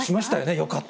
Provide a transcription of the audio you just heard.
よかった。